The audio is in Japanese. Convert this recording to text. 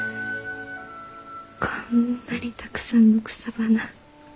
こんなにたくさんの草花。